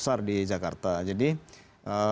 lama dalam konteks pilkada dki ya